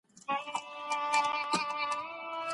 هغه ماڼۍ چي موږ ورڅخه ډګر ته وړاندي ځو، لویه ده.